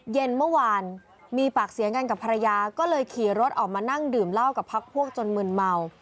เย็นเมื่อวานมีปากเสียงกันกับภรรยาก็เลยขี่รถออกมานั่งดื่มเหล้ากับพักพวกจนมึนเมา